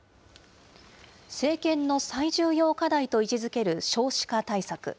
政権の最重要課題と位置づける少子化対策。